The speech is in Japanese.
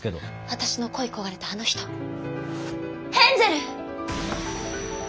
私の恋い焦がれたあの人ヘンゼル！